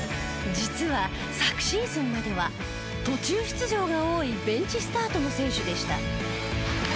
実は昨シーズンまでは途中出場が多いベンチスタートの選手でした。